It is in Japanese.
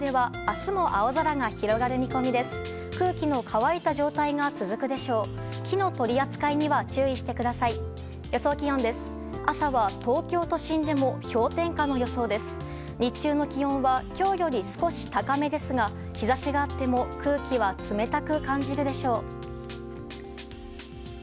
日中の気温は今日より少し高めですが日差しがあっても空気は冷たく感じるでしょう。